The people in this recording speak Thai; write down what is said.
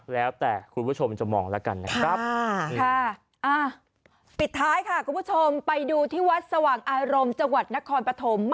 แล้วแต่คุณผู้ชมจะมองแล้วกันนะครับ